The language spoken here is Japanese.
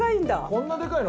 こんなでかいの？